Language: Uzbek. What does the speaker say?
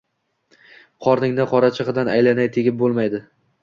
Qorningni qorachig‘idan aylanay, tegib bo‘lmaydi.